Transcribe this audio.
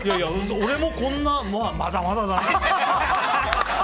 俺も、こんなまだまだだなって。